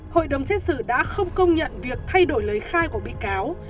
hội đồng xét xử đã không công nhận việc thay đổi lời khai của bị cáo